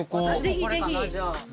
ぜひぜひ。